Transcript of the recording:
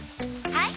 はい。